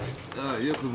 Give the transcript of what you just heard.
よく。